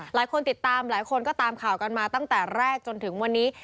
หลายคนติดตามหลายคนก็ตามข่าวกันมาตั้งแต่แรกจนถึงวันนี้